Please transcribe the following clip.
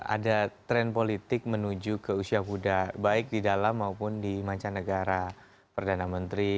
ada tren politik menuju ke usia muda baik di dalam maupun di mancanegara perdana menteri